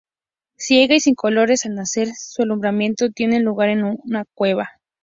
Ciega y sin colores al nacer, su alumbramiento tiene lugar en una cueva.